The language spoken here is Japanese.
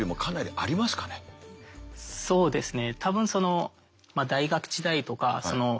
そうですね。